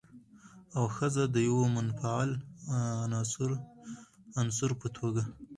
او ښځه د يوه منفعل عنصر په توګه